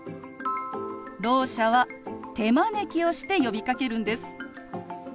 ろう者は手招きをして呼びかけるんです。